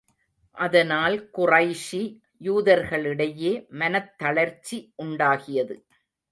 அதனால் குறைஷி, யூதர்களிடையே மனத்தளர்ச்சி உண்டாகியது.